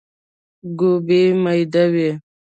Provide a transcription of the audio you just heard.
ګوبی ميده وي.